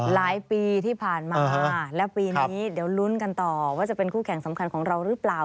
หลายปีที่ผ่านมาแล้วปีนี้เดี๋ยวลุ้นกันต่อว่าจะเป็นคู่แข่งสำคัญของเราหรือเปล่า